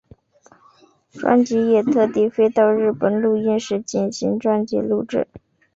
专辑也特地飞到日本的录音室进行专辑录制。